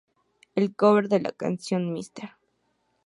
El cover de la canción Mrs.